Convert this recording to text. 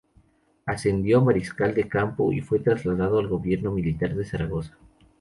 Ascendió a mariscal de campo y fue trasladado al gobierno militar de Zaragoza.